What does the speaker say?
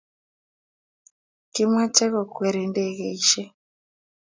Kimache kokweri ndegeishek